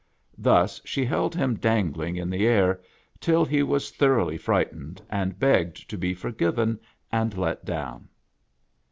Thus she held him dangling in the air, till he was thor oughly frightened, and begged to be forgiven and let down.